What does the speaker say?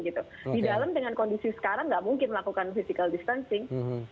di dalam dengan kondisi sekarang tidak mungkin melakukan physical distancing